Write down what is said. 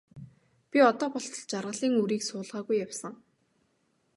Би одоо болтол жаргалын үрийг суулгаагүй явсан.